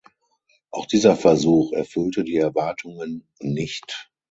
Auch dieser Versuch erfüllte die Erwartungen nicht.